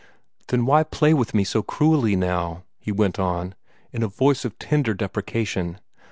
"Then why play with me so cruelly now?" he went on, in a voice of tender deprecation.